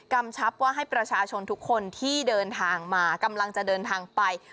ชับว่าให้ประชาชนทุกคนที่เดินทางมากำลังจะเดินทางไป